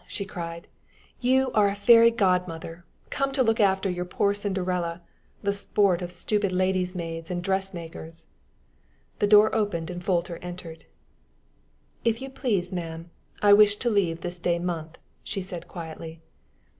she cried. "You are a fairy godmother, come to look after your poor Cinderella, the sport of stupid lady's maids and dressmakers!" The door opened, and Folter entered. "If you please, ma'am, I wish to leave this day month," she said, quietly.